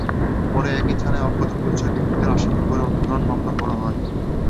পরে একই থানায় অজ্ঞাতপরিচয় ব্যক্তিদের আসামি করে অপহরণ মামলা করা হয়।